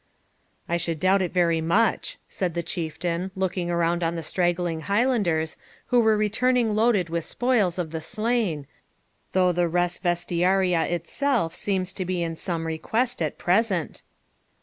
'I should doubt it very much,' said the Chieftain, looking around on the straggling Highlanders, who were returning loaded with spoils of the slain,'though the res vestiaria itself seems to be in some request at present.'